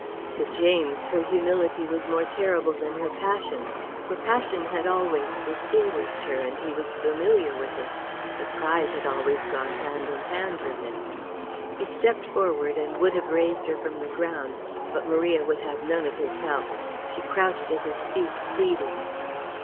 To James her humility was more terrible than her passion, for passion had always distinguished her, and he was familiar with it; but pride had always gone hand in hand with it. He stepped forward and would have raised her from the ground, but Maria would have none of his help; she crouched at his feet pleading.